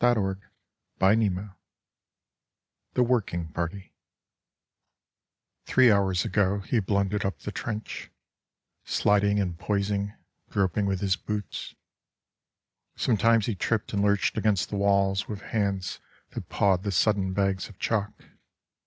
Seigfried Sassoon The Working Party THREE hours ago he blundered up the trench, Sliding and poising, groping with his boots; Sometimes he tripped and lurched against the walls With hands that pawed the sodden bags of chalk.